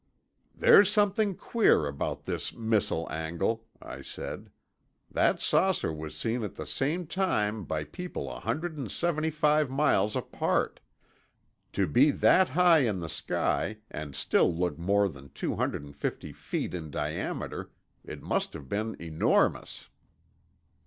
"There's something queer about this missile angle," I said. "That saucer was seen at the same time by people a hundred and seventy five miles apart. To be that high in the sky, and still look more than two hundred and fifty feet in diameter, it must have been enormous."